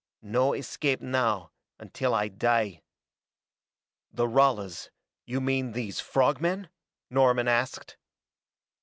No escape now, until I die." "The Ralas you mean these frog men?" Norman asked.